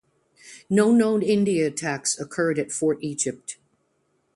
No known Indian attacks occurred at Fort Egypt.